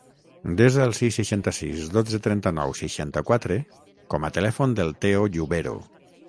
Desa el sis, seixanta-sis, dotze, trenta-nou, seixanta-quatre com a telèfon del Theo Yubero.